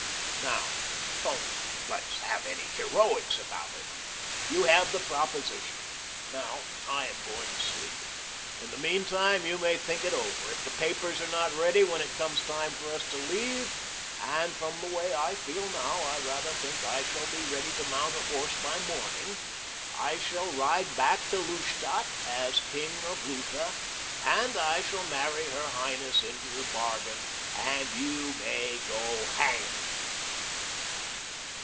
"Now let's don't have any heroics about it. You have the proposition. Now I am going to sleep. In the meantime you may think it over. If the papers are not ready when it comes time for us to leave, and from the way I feel now I rather think I shall be ready to mount a horse by morning, I shall ride back to Lustadt as king of Lutha, and I shall marry her highness into the bargain, and you may go hang!